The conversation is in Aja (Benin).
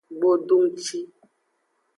Gbodongci.